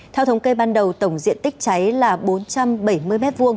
theo thống kê ban đầu tổng diện tích cháy là bốn trăm bảy mươi m hai